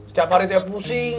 setiap hari tiap pusing